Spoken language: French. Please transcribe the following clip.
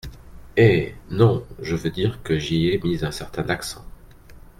Eh ! non, je veux dire que j’y ai mis un certain accent.